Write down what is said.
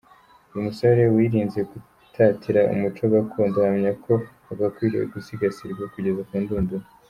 Uyu musore wirinze gutatira umuco gakondo ahamya ko wagakwiriye gusigasirwa kugeza ku ndunduro.